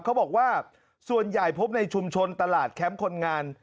เขาบอกว่าส่วนใหญ่พบในชุมชนตลาดแคมป์คนงาน